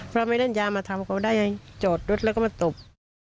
พร้อมให้เล่นยามาทำก็ได้โจทย์นุดแล้วก็มาตบ